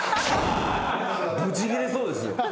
ブチギレそうですよ。